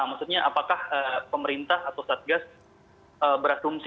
maksudnya apakah pemerintah atau satgas berasumsi